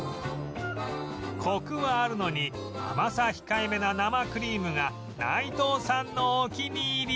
コクはあるのに甘さ控えめな生クリームが内藤さんのお気に入り